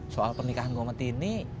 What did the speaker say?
soal pernikahan gue sama tini